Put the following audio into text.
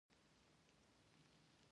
د لوی اختر په درېیمه سهار وختي راغلل.